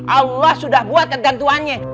allah sudah buat ketentuannya